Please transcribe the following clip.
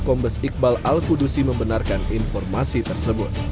kombes iqbal al kudusi membenarkan informasi tersebut